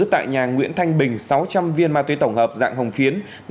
tại nhà nguyễn thanh bình sáu trăm linh viên ma túy tổng hợp dạng hồng phiến